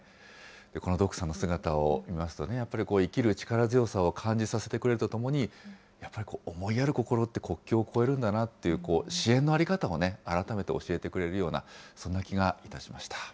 このドクさんの姿を見ますとね、やっぱり生きる力強さを感じさせてくれるとともに、やっぱり思いやる心って、国境を越えるんだなと、支援の在り方も改めて教えてくれるような、そんな気がいたしました。